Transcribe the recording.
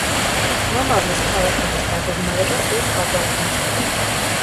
მომავლის ქალაქების დაგეგმარება სულ სხვაგვარად მოხდება.